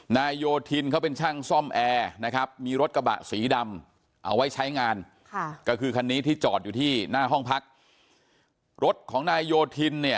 นายโยธินเขาเป็นช่างซ่อมแอร์นะครับ